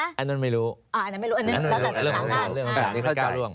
อันนั้นไม่รู้